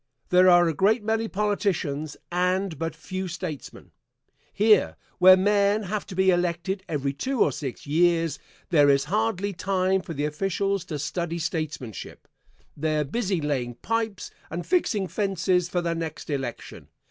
There are a great many politicians and but few statesmen. Here, where men have to be elected every two or six years, there is hardly time for the officials to study statesmanship they are busy laying pipes and fixing fences for the next election.